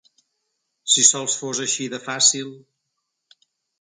Si sols fos així de fàcil… !